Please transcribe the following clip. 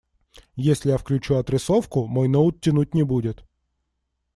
Если я включу отрисовку, мой ноут тянуть не будет.